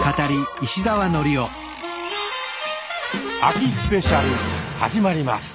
秋スペシャル始まります！